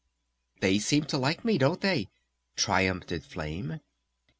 "They seem to like me, don't they?" triumphed Flame.